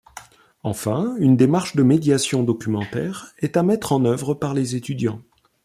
Enfin une démarche de médiation documentaire est à mettre en œuvre par les étudiants.